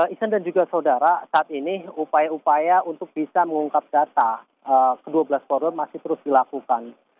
ihsan dan juga saudara saat ini upaya upaya untuk bisa mengungkap data ke dua belas koridor masih terus dilakukan